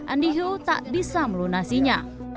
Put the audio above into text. andi hu tak bisa melunasinya